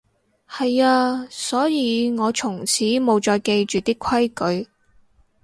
係啊，所以我從此無再記住啲規矩